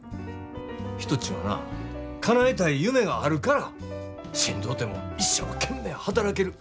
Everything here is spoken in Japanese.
人ちゅうんはなかなえたい夢があるからしんどうても一生懸命働ける。